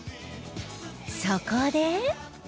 そこで